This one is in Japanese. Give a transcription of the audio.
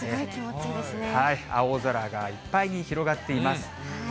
青空がいっぱいに広がっています。